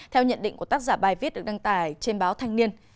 theo nhận định của tác giả bài viết được đăng tải trên báo thanh niên